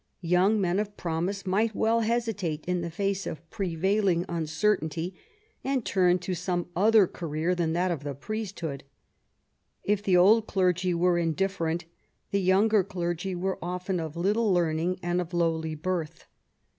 Young men of promise might well hesitate, in the face of 126 QUEEN ELIZABETH, prevailing uncertainty, and turn to some other career than that of the priesthood. If the old clergy were indiiFerent, the younger clergy were often of little learning and of lowly birth.